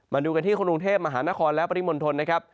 มาดูกันที่กรุงเทพมหานครและปริมณฑลนะครับ